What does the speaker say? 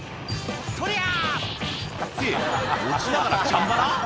「とりゃ！」って落ちながらチャンバラ？